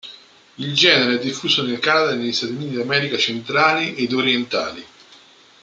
Il genere è diffuso nel Canada e negli Stati Uniti d'America centrali ed orientali.